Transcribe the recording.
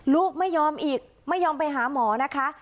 ลูกไม่ยอมอีกไม่ยอมไปหาหมอนะคะ